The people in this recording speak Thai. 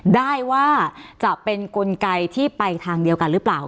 ได้ว่าจะเป็นกลไกที่ไปทางเดียวกันหรือเปล่า